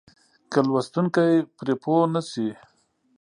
که لوستونکی پرې پوه نه شي.